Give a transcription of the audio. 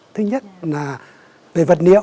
thứ nhất là về vật liệu